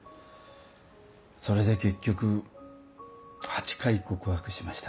それで結局８回告白しました。